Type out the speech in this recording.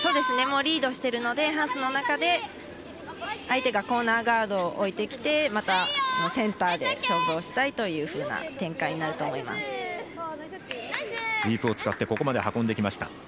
リードしているのでハウスの中で相手がコーナーガードを置いてきてまたセンターで勝負をしたいというふうなスイープを使ってここまではこんできました。